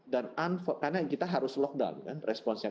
karena kita harus lockdown respons yang